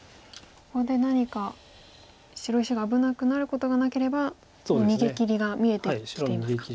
ここで何か白石が危なくなることがなければもう逃げきりが見えてきていますか。